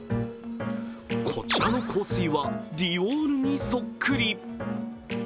こちらの香水はディオールにそっくり。